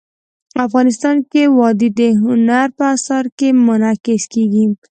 افغانستان کې وادي د هنر په اثار کې منعکس کېږي.